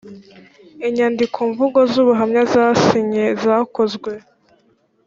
inyandikomvugo z ubuhamya zisinye zakozwe